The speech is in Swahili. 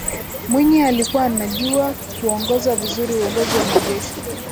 Mwinyi alikua anajua kuongoza vizuri uongozi wa majeshi